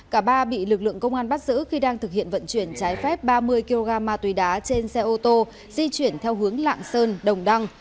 cả ba bị lực lượng công an bắt giữ khi đang thực hiện vận chuyển trái phép ba mươi kg ma túy đá trên xe ô tô di chuyển theo hướng lạng sơn đồng đăng